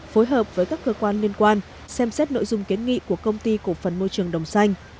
phối hợp với các cơ quan liên quan xem xét nội dung kiến nghị của công ty cổ phần môi trường đồng xanh